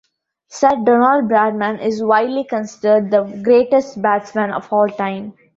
Sir Donald Bradman is widely considered the greatest batsman of all time.